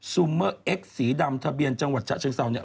ซูเมอร์เอ็กซสีดำทะเบียนจังหวัดฉะเชิงเซาเนี่ย